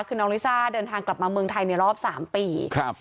คือน้องลิซ่าเดินทางกลับมาเมืองไทยในรอบสามปีครับ